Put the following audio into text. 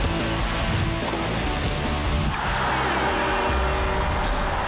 โปรดติดตามตอนต่อไป